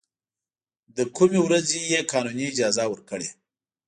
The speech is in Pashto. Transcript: له کومې ورځې یې قانوني اجازه ورکړې.